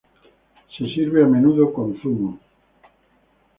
Se sirve a menudo con zumo.